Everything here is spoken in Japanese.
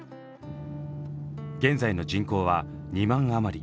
現在の人口は２万余り。